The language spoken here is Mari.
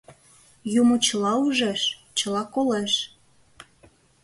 Юмо чыла ужеш, чыла колеш.